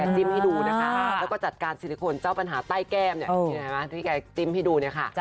ตำการสิลิคนเจ้าปัญหาใต้แก้มยังไงวะที่แกจิ้มให้ดูค่ะ